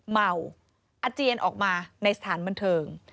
เมาอาเจียนออกมาในสถานบันเทิง